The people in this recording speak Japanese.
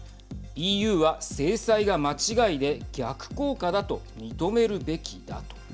ＥＵは制裁が間違いで逆効果だと認めるべきだ、と。